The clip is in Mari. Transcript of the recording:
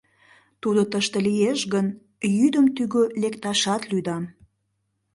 — Тудо тыште лиеш гын, йӱдым тӱгӧ лекташат лӱдам.